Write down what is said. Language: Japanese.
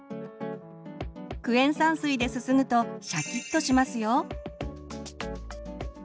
クエン酸水ですすぐとシャキッとしますよ。